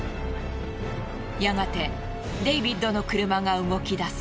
やがてデイビッドの車が動き出す。